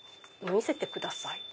見せてください。